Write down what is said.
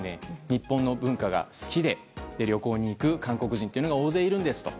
日本の文化が好きで旅行に行く韓国人というのが大勢いるんですと。